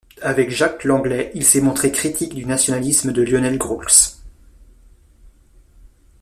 Avec Jacques Langlais, il s'est montré critique du nationalisme de Lionel Groulx.